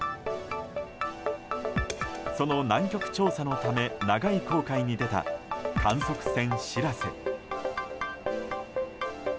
その南極調査のため長い航海に出た観測船「しらせ」。